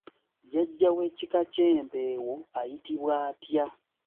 Jjajja w’ekika ky’empeewo ayitibwa atya?